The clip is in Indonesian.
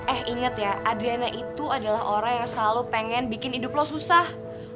eh inget ya adriana itu adalah orang yang selalu pengen bikin hidup lo susah